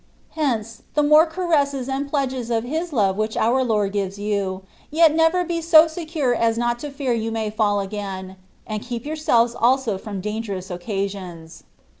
Hence, the more caresses and pledges of His love which our Lord gives you, yet never be so secure as not to fear you may fall again, and keep your selves also from dangerous occasions.